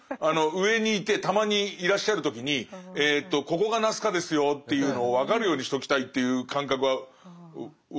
上にいてたまにいらっしゃる時に「ここがナスカですよ」っていうのを分かるようにしときたいっていう感覚は分かるから。